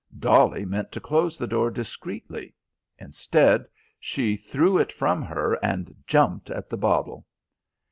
Dolly meant to close the door discreetly; instead, she threw it from her and jumped at the bottle.